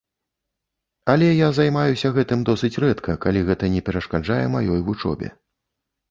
Але я займаюся гэтым досыць рэдка, калі гэта не перашкаджае маёй вучобе.